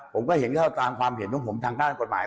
ผมก็เห็นเข้าตามความเห็นของผมทางด้านกฎหมาย